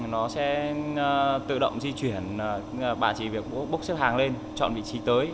nó sẽ tự động di chuyển bà chỉ việc bốc xếp hàng lên chọn vị trí tới